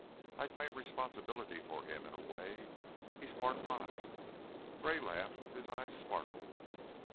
I claim responsibility for him, in a way. He's part mine." Gray laughed; his eyes sparkled.